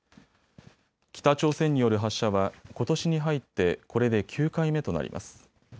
北朝鮮による発射はことしに入ってこれで９回目となります。